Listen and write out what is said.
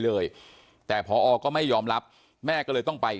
เชิงชู้สาวกับผอโรงเรียนคนนี้